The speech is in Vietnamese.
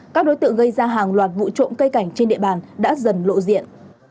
các đối tượng gây ra hàng loạt vụ trộm cây cảnh trên địa bàn đã dần lộ diện